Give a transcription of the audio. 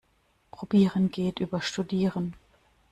Probieren geht über studieren.